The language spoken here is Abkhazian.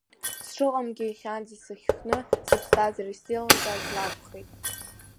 Сшыҟамгьы иахьанӡа сахьхәны, сыԥсҭазаара исзеилымкааз лакәхеит.